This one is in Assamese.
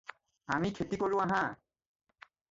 "আমি খেতি কৰোঁ আহাঁ?"